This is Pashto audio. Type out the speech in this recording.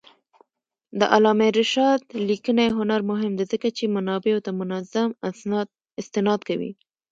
د علامه رشاد لیکنی هنر مهم دی ځکه چې منابعو ته منظم استناد کوي.